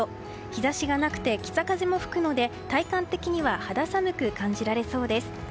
日差しがなくて北風も吹くので体感的には肌寒く感じられそうです。